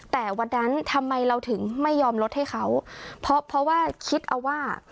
แต่วันนั้นทำไมเราถึงไม่ยอมลดให้เขาเพราะเพราะว่าคิดเอาว่า